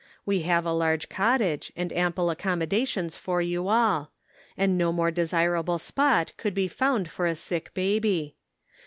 We .have a large cot tage, and ample accommodations for you all ; and no more desirable spot could be found for a sick baby.